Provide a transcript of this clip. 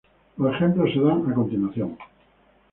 Los ejemplos se dan a continuación.